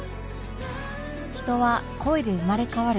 人は恋で生まれ変わる